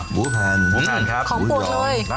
หมูแพนครับ